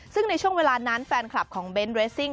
ซึ่งในช่วงเวลานั้นแฟนคลับของเบนท์เรสซิ่ง